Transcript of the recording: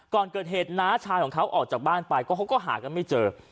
ก่อนเกิดเหตุน้าชายของเขาออกจากบ้านไปก็เขาก็หากันไม่เจอ